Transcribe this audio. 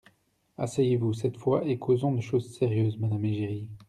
—Asseyez-vous, cette fois, et causons de choses Sérieuses, madame Égérie.